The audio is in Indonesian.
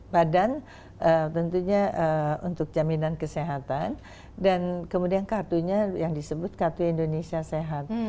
badan tentunya untuk jaminan kesehatan dan kemudian kartunya yang disebut kartu indonesia sehat